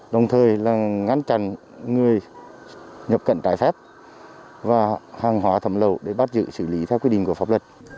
đồng thời là ngăn chặn người nhập cảnh trái phép và hàng hóa thẩm lậu để bắt giữ xử lý theo quy định của pháp luật